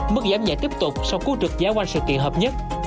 mức giảm nhạy tiếp tục sau cú trực giá quan sự kiện hợp nhất